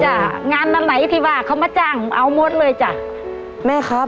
งานอันไหนที่ว่าเขามาจ้างเอาหมดเลยจ้ะแม่ครับ